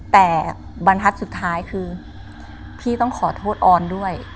แต่บรรทัศน์สุดท้ายคือพี่ต้องขอโทษออนด้วย